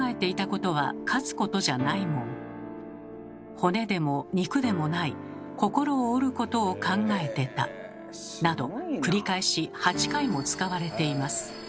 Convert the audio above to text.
骨でも肉でもない心を折ることを考えてた」など繰り返し８回も使われています。